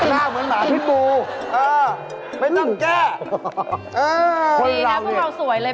หน้าเหมือนหมาพี่ปูเออไม่ต้องแจ้ะเออคนเราเนี่ยดีนะพวกเราสวยเลย